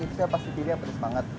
itu saya pasti pilih yang pedas banget